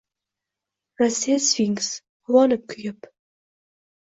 Rossiya – sfinks. Quvonib, kuyib